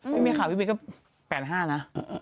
พี่มีค่ะพี่มีก็๘๕นะ